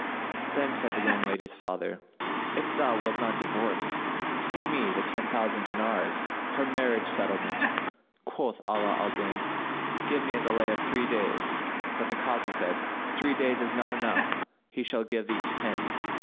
Then said the young lady's father, "If thou wilt not divorce, pay me the ten thousand dinars, her marriage settlement." Quoth Ala al Din, "Give me a delay of three days;" but the Kazi, said, "Three days is not time enough; he shall give thee ten."